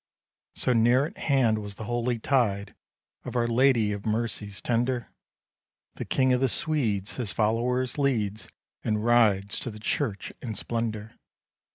So near at hand was the holy tide Of our Lady of mercies tender; The King of the Swedes his followers leads, And rides to the Church in splendour.